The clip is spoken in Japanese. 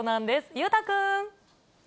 裕太君。